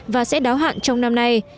và sẽ đáo hạn trong năm nay